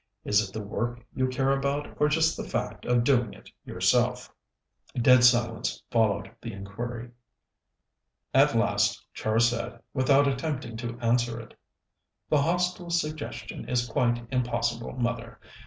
"Is it the work you care about, or just the fact of doing it yourself?" Dead silence followed the inquiry. At last Char said, without attempting to answer it: "The Hostel suggestion is quite impossible, mother.